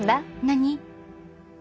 何？